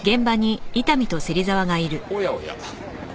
おやおや。